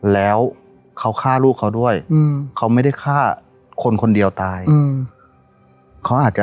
แล้วเขาฆ่าลูกเขาด้วยเขาไม่ได้ฆ่าคนคนเดียวตายเขาอาจจะ